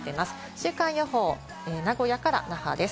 週間予報、名古屋から那覇です。